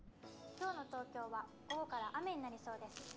今日の東京は午後から雨になりそうです。